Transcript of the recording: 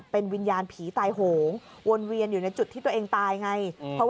เป็นวิญญาณผีตายโหงวนเวียนอยู่ในจุดที่ตัวเองตายไง